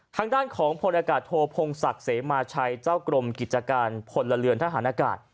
ทางด้านของพลอากาศโทพงศักดิ์เสมาชัยเจ้ากรมกิจการพลเรือนทหารอากาศ